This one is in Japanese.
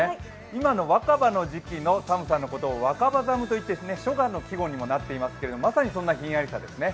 今の若葉の時期の寒さというのを若葉寒といって、初夏の季語にもなっていますけど、まさにそんなひんやりさですね。